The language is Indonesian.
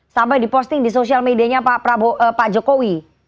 sampai diposting di sosial medianya pak jokowi